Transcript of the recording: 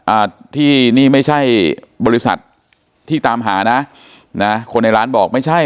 อ่าที่นี่ไม่ใช่บริษัทที่ตามหานะนะคนในร้านบอกไม่ใช่